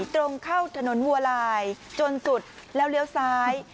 ตรงเข้าถนนวัวลายจนสุดแล้วเลี้ยวซ้าย